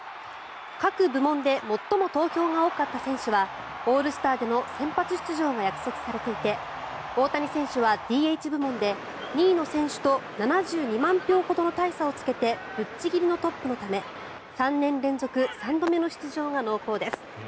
各部門で最も投票が多かった選手はオールスターでの先発出場が約束されていて大谷選手はＤＨ部門で２位の選手と７２万票ほどの大差をつけてぶっちぎりのトップのため３年連続３度目の出場が濃厚です。